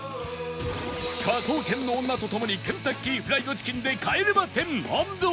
『科捜研の女』と共にケンタッキーフライドチキンで帰れま